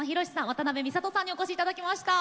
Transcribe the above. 渡辺美里さんにお越しいただきました。